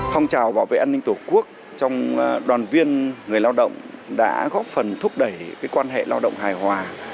phong trào bảo vệ an ninh tổ quốc trong đoàn viên người lao động đã góp phần thúc đẩy quan hệ lao động hài hòa